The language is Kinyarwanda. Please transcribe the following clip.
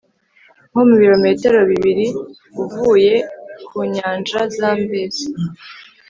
nko mu bilometero bibri uvuye ku nyanja zambezi